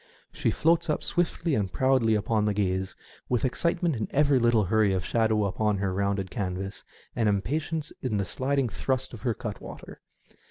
She floats up swiftly and proudly upon the gaze, with excitement in every little hurry of shadow upon her rounded canvas, and im patience in the sliding thrust of her cutwater.